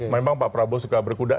memang pak prabowo suka berkuda